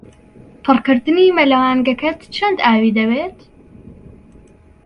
پڕکردنی مەلەوانگەکەت چەند ئاوی دەوێت؟